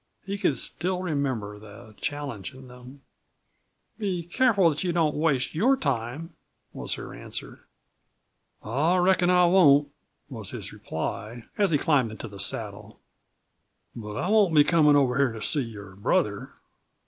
He could still remember the challenge in them. "Be careful that you don't waste your time!" was her answer. "I reckon I won't," was his reply, as he climbed into the saddle. "But I won't be comin' over here to see your brother!"